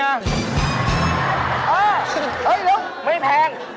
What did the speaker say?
เอ้าเฮ่ยลุกไม่แพง